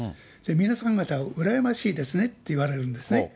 皆さん方羨ましいですねって言われるんですね。